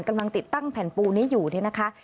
กำลังติดตั้งแผ่นปูนี้อยู่นี่นะคะ